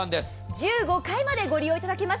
１５回までご利用できます。